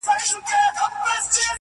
دوې کښتۍ مي وې نجات ته درلېږلي -